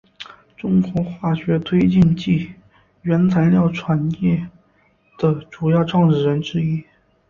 中国化学推进剂原材料产业的主要创始人之一。